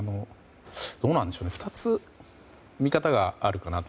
どうなんでしょう２つ、見方があるかなと。